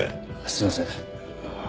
すいません。